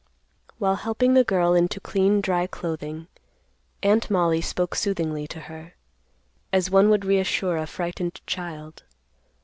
While helping the girl into clean, dry clothing, Aunt Mollie spoke soothingly to her, as one would reassure a frightened child.